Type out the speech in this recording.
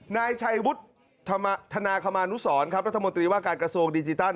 นายชัยวุฒิธนาคมานุสรครับรัฐมนตรีว่าการกระทรวงดิจิทัล